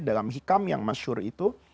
dalam hikam yang masyur itu